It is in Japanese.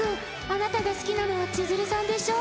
あなたが好きなのは千鶴さんでしょ？